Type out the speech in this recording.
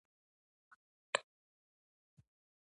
دکن ته د لښکر د لېږد وخت راغی.